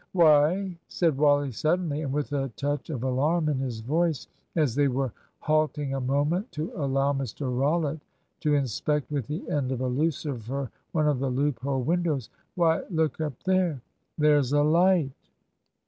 "Why," said Wally suddenly, and with a touch of alarm in his voice, as they were halting a moment to allow Mr Rollitt to inspect with the end of a lucifer one of the loophole windows, "why, look up there there's a light!"